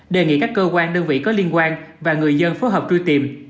đề nghị các cơ quan đơn vị có liên quan và người dân phối hợp truy tìm